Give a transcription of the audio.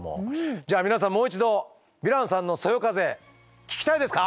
じゃあ皆さんもう一度ヴィランさんのそよ風聞きたいですか？